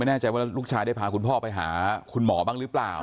แน่ใจว่าลูกชายได้พาคุณพ่อไปหาคุณหมอบ้างหรือเปล่า